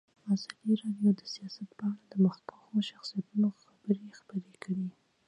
ازادي راډیو د سیاست په اړه د مخکښو شخصیتونو خبرې خپرې کړي.